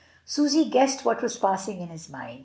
Susy guessed what was passing in his mind.